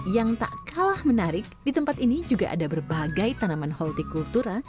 yang tak kalah menarik di tempat ini juga ada berbagai tanaman holti kultura